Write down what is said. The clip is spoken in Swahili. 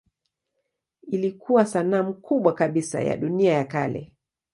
Ilikuwa sanamu kubwa kabisa ya dunia ya kale.